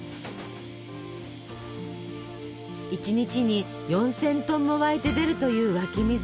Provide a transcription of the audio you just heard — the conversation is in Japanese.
１日に４，０００トンも湧いて出るという湧き水。